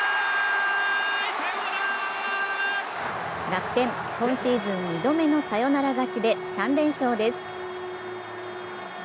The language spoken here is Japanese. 楽天、今シーズン２度目のサヨナラ勝ちで３連勝です。